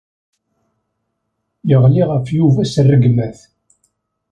Yeɣli ɣef Yuba s rregmat.